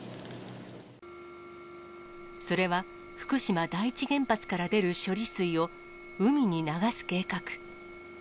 それは、福島第一原発から出る処理水を海に流す計画。